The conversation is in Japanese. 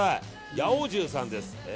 八百重さんです。